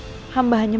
terima kasih bu